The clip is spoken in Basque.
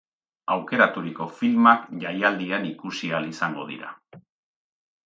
Aukeraturiko filmak jaialdian ikusi ahal izango dira.